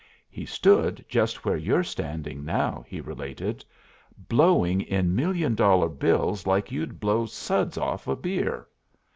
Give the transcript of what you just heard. "He stood just where you're standing now," he related, "blowing in million dollar bills like you'd blow suds off a beer.